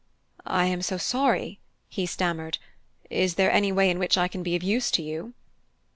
"I am so sorry," he stammered "is there any way in which I can be of use to you?"